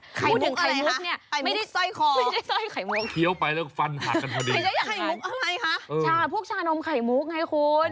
พูดถึงไข่มุกเนี่ยไม่ได้ซ่อยไข่มุกค่ะใช่พวกชานมไข่มุกไงคุณ